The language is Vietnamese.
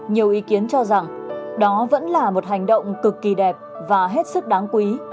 nhiều ý kiến cho rằng đó vẫn là một hành động cực kỳ đẹp và hết sức đáng quý